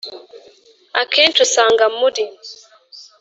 Akenshi usanga muri